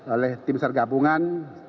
oleh tim sergabungan